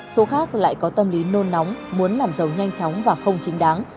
số khác lại có tâm lý nôn nóng muốn làm giàu nhanh chóng và không chính đáng